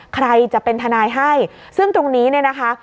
ใครจะเป็นทนายให้ซึ่งตรงนี้เนี่ยนะคะ